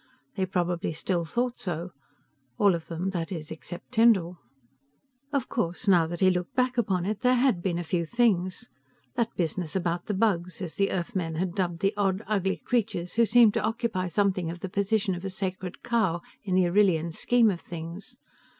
They probably still thought so, all of them, that is, except Tyndall. Of course, now that he looked back upon it, there has been a few things ... that business about the Bugs, as the Earthmen had dubbed the oddly ugly creatures who seemed to occupy something of the position of a sacred cow in the Arrillian scheme of things.